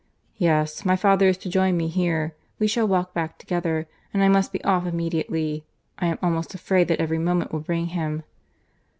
"Yes; my father is to join me here: we shall walk back together, and I must be off immediately. I am almost afraid that every moment will bring him."